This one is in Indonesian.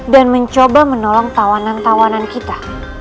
dan mencoba menolong tawanan tawanan kita